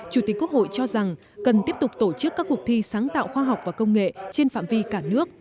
chủ tịch quốc hội cho rằng cần tiếp tục tổ chức các cuộc thi sáng tạo khoa học và công nghệ trên phạm vi cả nước